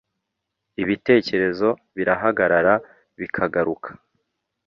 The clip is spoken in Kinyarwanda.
Ibitekerezo birahagarara bikagaruka